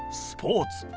スポーツ。